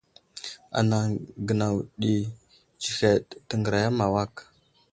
Anaŋ gənaw ɗi tsəhed təŋgəraya ma awak.